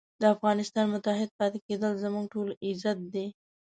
د افغانستان متحد پاتې کېدل زموږ ټولو عزت دی.